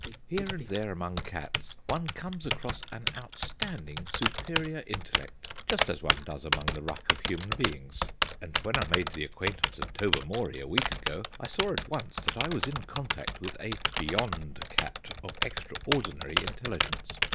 Here and there among cats one comes across an outstanding superior intellect, just as one does among the ruck of human beings, and when I made the acquaintance of Tobermory a week ago I saw at once that I was in contact with a 'Beyond cat' of extraordinary intelligence.